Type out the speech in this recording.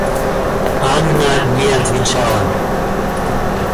Анна не отвечала.